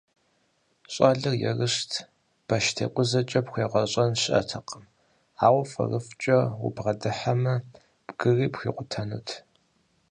ЩӀалэр ерыщт, баштекъузэкӀэ пхуегъэщӀэн щыӀэтэкъым, ауэ фӀырыфӀкӀэ убгъэдыхьэмэ, бгыри пхуикъутэнут.